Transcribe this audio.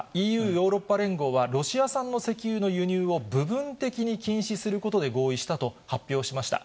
ＥＵ・ヨーロッパ連合は、ロシア産の石油の輸入を部分的に禁止することで合意したと発表しました。